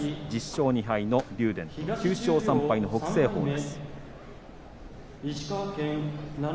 １０勝２敗の竜電９勝３敗の北青鵬です。